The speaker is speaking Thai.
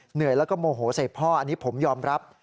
เหนื่อยแล้วก็โมโหใส่พ่ออันนี้ผมยอมรับ